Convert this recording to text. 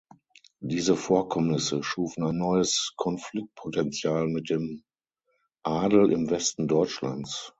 Diese Vorkommnisse schufen ein neues Konfliktpotenzial mit dem Adel im Westen Deutschlands.